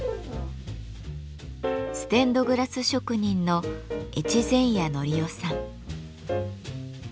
ステンドグラス職人の越前谷典生さん。